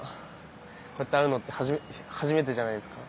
こうやって会うのって初めてじゃないですか。